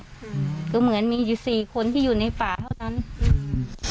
อืมก็เหมือนมีอยู่สี่คนที่อยู่ในป่าเท่านั้นอืม